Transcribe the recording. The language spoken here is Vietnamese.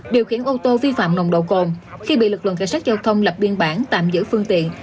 điều khiển ô tô vi phạm nồng độ cồn khi bị lực lượng cảnh sát giao thông lập biên bản tạm giữ phương tiện